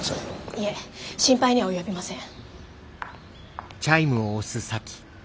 いえ心配には及びません。